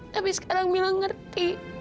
tapi sekarang mila ngerti